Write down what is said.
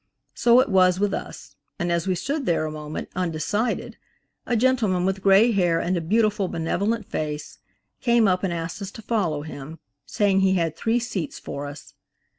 So it was with us, and as we stood there a moment undecided, a gentleman with gray hair, and a beautiful, benevolent face, came up and asked us to follow him, saying he had three seats for us.